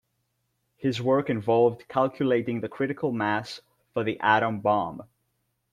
His work involved calculating the critical mass for the atom bomb.